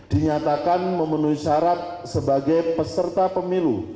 dinyatakan memenuhi syarat sebagai peserta pemilu